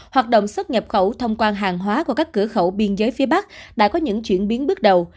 hoạt động xuất nhập khẩu thông quan hàng hóa qua các cửa khẩu biên giới phía bắc đã có những chuyển biến bước đầu